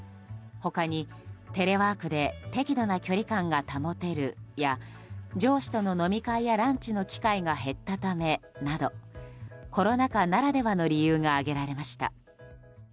他に、テレワークで適度な距離感が保てるや上司との飲み会やランチの機会が減ったためなどコロナ禍ならではの理由が挙げられました。